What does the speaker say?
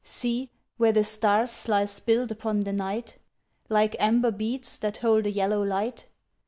See, where the stars lie spilled upon the night, Like amber beads that hold a yellow light.